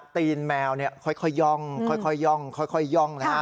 ตีนแมวเนี่ยค่อยย่องย่องนะฮะ